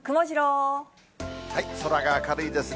空が明るいですね。